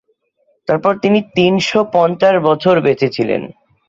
তারপর তিনি তিনশ পঞ্চাশ বছর বেঁচে ছিলেন।